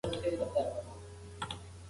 ما تېره اونۍ په یوه علمي سیمینار کې ګډون وکړ.